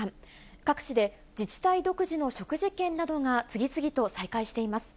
各地で自治体独自の食事券などが次々と再開しています。